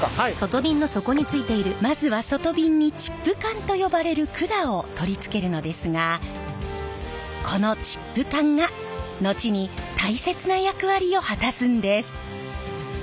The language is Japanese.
まずは外びんにチップ管と呼ばれる管を取り付けるのですがこのチップ管が後に大切な役割を果たすんです！